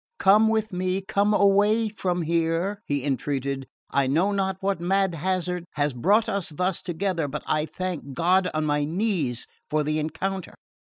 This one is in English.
come with me, come away from here," he entreated. "I know not what mad hazard has brought us thus together, but I thank God on my knees for the encounter.